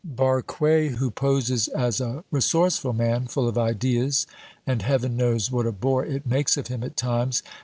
Barque, who poses as a resourceful man, full of ideas and Heaven knows what a bore it makes of him at times!